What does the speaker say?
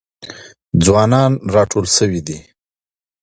ځوانان راټول سوي دي.